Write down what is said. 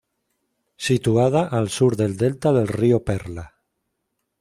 Situada al sur del delta del río Perla.